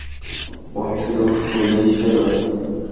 ভয় শুধু পুলিশেরই।